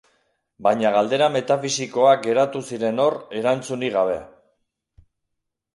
Baina galdera metafisikoak geratu ziren hor erantzunik gabe.